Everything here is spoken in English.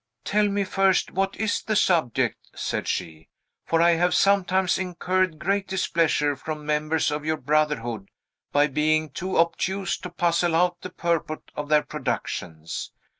"Tell me first what is the subject," said she, "for I have sometimes incurred great displeasure from members of your brotherhood by being too obtuse to puzzle out the purport of their productions.